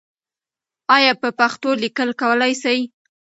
آیا په پښتو لیکل کولای سې؟